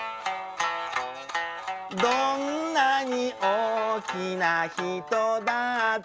「どんなにおおきなひとだって」